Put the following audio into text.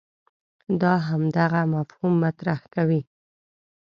دا همدغه مفهوم مطرح کوي.